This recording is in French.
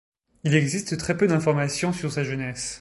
Il existe très peu d'informations sur sa jeunesse.